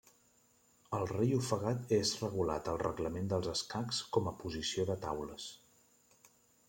El rei ofegat és regulat al reglament dels escacs com a posició de taules.